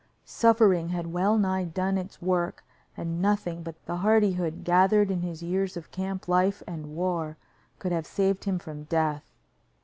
Suffering had well nigh done its work, and nothing but the hardihood gathered in his years of camp life and war could have saved him from death.